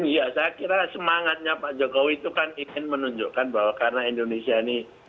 iya saya kira semangatnya pak jokowi itu kan ingin menunjukkan bahwa karena indonesia ini